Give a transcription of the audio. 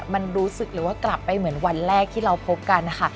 มันรู้สึกหรือว่ากลับไปเหมือนวันแรกที่เราพบกันนะคะ